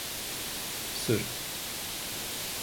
Sır…